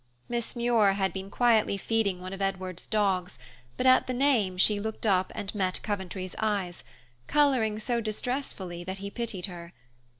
Miss Muir had been quietly feeding one of Edward's dogs, but at the name she looked up and met Coventry's eyes, coloring so distressfully that he pitied her.